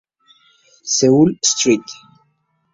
Seúl St.